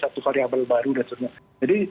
satu variable baru dan sebagainya jadi